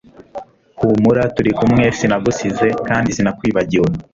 humura turikumwe sinagusize kandi sinakwibagiwe